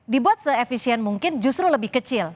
dibuat se efisien mungkin justru lebih kecil